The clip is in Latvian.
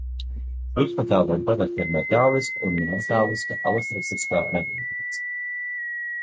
Pusmetāliem parasti ir metāliska un nemetāliska alotropiskā modifikācija.